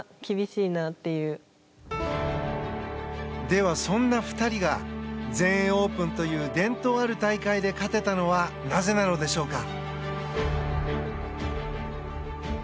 では、そんな２人が全英オープンという伝統ある大会で勝てたのはなぜなのでしょうか。